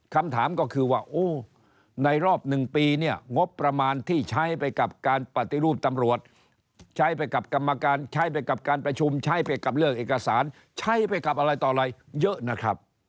คำถามก็คือว่าโอ้ในรอบ๑ปีเนี่ยงบประมาณที่ใช้ไปกับการปฏิรูปตำรวจใช้ไปกับกรรมการใช้ไปกับการประชุมใช้ไปกับเรื่องเอกสารใช้ไปกับอะไรต่ออะไรเยอะนะครับ